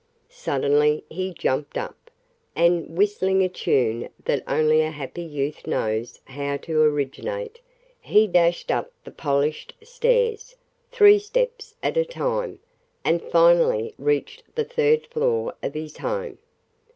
Suddenly he jumped up, and, whistling a tune that only a happy youth knows how to originate, he dashed up the polished stairs, three steps at a time, and finally reached the third floor of his home.